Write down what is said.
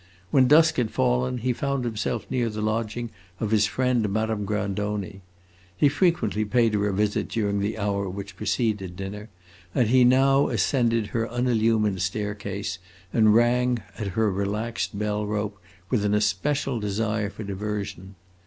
When dusk had fallen, he found himself near the lodging of his friend Madame Grandoni. He frequently paid her a visit during the hour which preceded dinner, and he now ascended her unillumined staircase and rang at her relaxed bell rope with an especial desire for diversion.